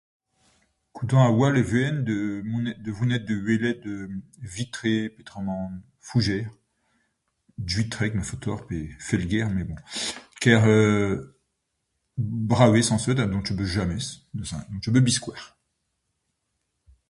"Kontant a-walc'h e vezañ da monet.. da vonet da welet ""Vitré"" peotramant ""Fougères"" .. Gwitreg ma faot deoc'h pe Felger met ""boñ"" euu. Kar euu Brav eo sañset ha n'on ket bet james, n'on ket bet biskoazh."